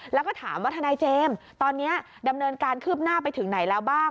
แล้วก็ถามว่าทนายเจมส์ตอนนี้ดำเนินการคืบหน้าไปถึงไหนแล้วบ้าง